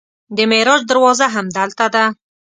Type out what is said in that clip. د معراج دروازه همدلته ده.